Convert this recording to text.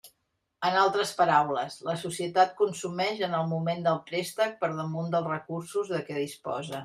En altres paraules, la societat consumeix en el moment del préstec per damunt dels recursos de què disposa.